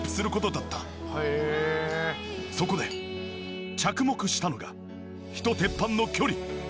そこで着目したのが火と鉄板の距離。